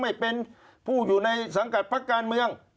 ไม่เป็นผู้อยู่ในสังกัดพักการเมือง